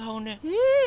うん！